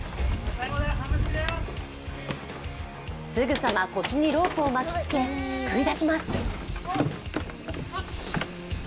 すぐさま腰にロープを巻きつけ救い出します。